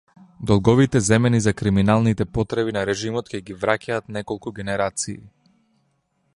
Долговите земени за криминалните потреби на режимот ќе ги враќаат неколку генерации.